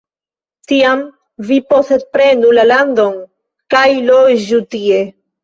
Tiam vi posedprenu la landon, kaj loĝu tie.